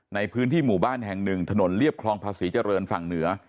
ในพื้นที่หมู่บ้านแห่งหนึ่งถนนเรียบคลองภาษีเจริญฝั่งเหนือ